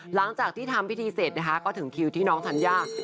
หลังจากที่ทำพิธีเสร็จนะคะก็ถึงคิวที่น้องธัญญา